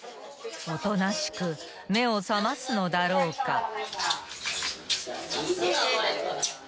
［おとなしく目を覚ますのだろうか］